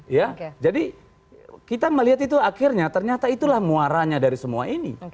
ya jadi kita melihat itu akhirnya ternyata itulah muaranya dari semua ini